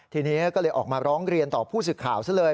ทีนี้ก็เลยออกมาร้องเรียนต่อผู้สื่อข่าวซะเลย